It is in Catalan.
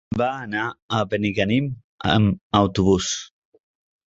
Va anar a Benigànim amb autobús.